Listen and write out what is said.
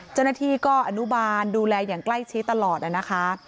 เจ้าหน้าที่ก็อนุบาลดูแลอย่างใกล้ชิดตลอดนะคะ